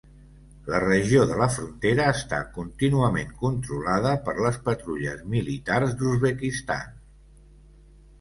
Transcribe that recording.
La regió de la frontera està contínuament controlada per les patrulles militars d'Uzbekistan.